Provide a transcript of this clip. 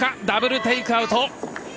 ダブル・テイクアウト。